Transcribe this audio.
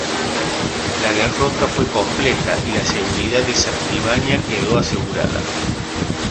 La derrota fue completa y la seguridad de Septimania quedó asegurada.